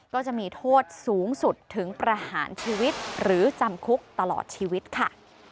ก็จะมีโทษสูงสุดถึงประหารชีวิตหรือจำคุกตลอดชีวิตค่ะ